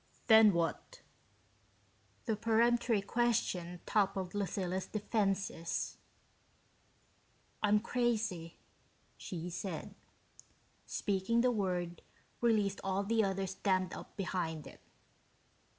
"Then what?" The peremptory question toppled Lucilla's defenses. "I'm crazy," she said. Speaking the word released all the others dammed up behind it.